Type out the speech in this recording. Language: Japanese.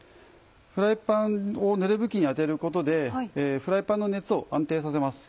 フライパンをぬれ布巾に当てることでフライパンの熱を安定させます。